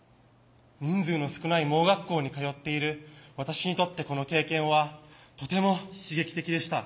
人数の少ない盲学校に通っている私にとってこの経験はとても刺激的でした。